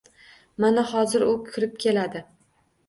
Mana hozir u kirib keladi.